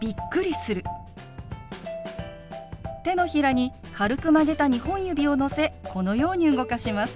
手のひらに軽く曲げた２本指をのせこのように動かします。